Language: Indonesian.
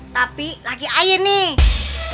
tapi lagi ayah nih